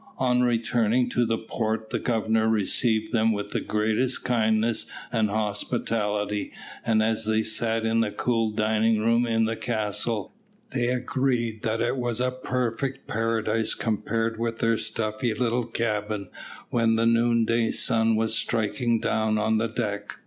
On returning to the port the Governor received them with the greatest kindness and hospitality, and as they sat in the cool dining room in the castle, they agreed that it was a perfect paradise compared with their stuffy little cabin when the noonday sun was striking down on the deck.